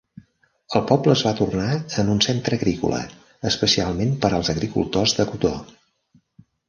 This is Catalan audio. El poble es va tornar en un centre agrícola, especialment per als agricultors de cotó.